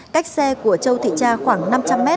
cách xe của châu thị cha khoảng năm trăm linh m